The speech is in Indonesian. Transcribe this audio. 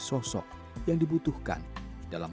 sosok yang dibutuhkan dalam